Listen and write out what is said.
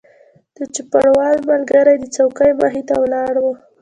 د چوپړوال ملګری د څوکۍ مخې ته ولاړ و.